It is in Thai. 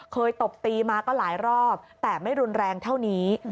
ตบตีมาก็หลายรอบแต่ไม่รุนแรงเท่านี้